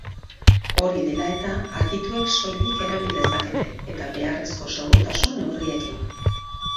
Hori dela eta, adituek soilik erabil dezakete, eta beharrezko segurtasun neurriekin.